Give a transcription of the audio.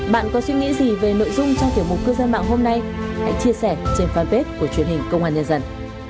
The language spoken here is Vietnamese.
bạn có suy nghĩ gì về nội dung trong tiểu mục cư dân mạng hôm nay hãy chia sẻ trên fanpage của truyền hình công an nhân dân